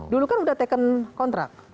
dulu kan udah taken kontrak